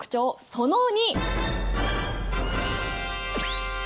その２！